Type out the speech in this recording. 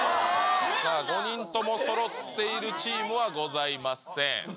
さあ５人ともそろっているチームはございません。